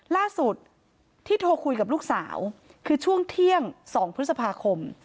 ล่าสุดที่โทรคุยกับลูกสาวคือช่วงเที่ยง๒พฤษภาคม